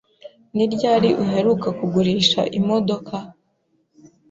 Ni ryari uheruka kugurisha imodoka?